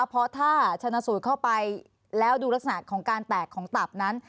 เพราะถ้าชนะสูตรเข้าไปแล้วดูลักษณะของการแตกของตับนั้น